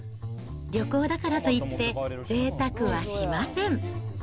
旅行だからといって、ぜいたくはしません。